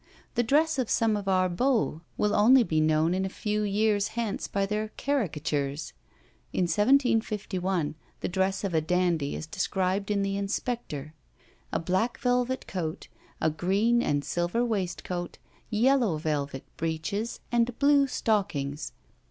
The dress of some of our beaux will only be known in a few years hence by their caricatures. In 1751 the dress of a dandy is described in the Inspector. A black velvet coat, a green and silver waistcoat, yellow velvet breeches, and blue stockings.